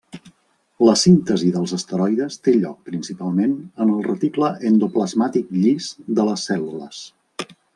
La síntesi dels esteroides té lloc principalment en el reticle endoplasmàtic llis de les cèl·lules.